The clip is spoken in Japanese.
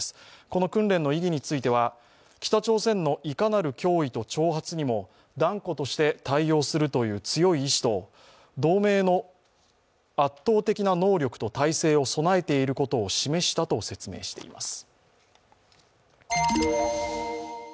この訓練の意義については、北朝鮮のいかなる脅威と挑発にも断固として対応するという強い意思と同盟の圧倒的な能力と体制を備えていることを示したと説明しています。